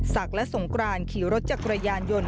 ศักดิ์และสงครานขี่รถจากกระยานยนต์